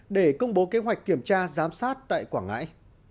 để công bố kế hoạch kiểm tra giám sát tại quảng ngãi